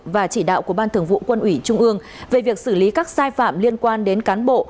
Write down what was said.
và chỉ đạo của ban thường vụ quân ủy trung ương về việc xử lý các sai phạm liên quan đến cán bộ